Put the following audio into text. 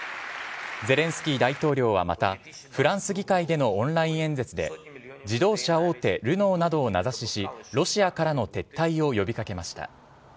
ゼレンスキー大統領は、またフランス議会でのオンライン演説で自動車大手ルノーなどを名指ししロシアからの撤退を呼び掛けました。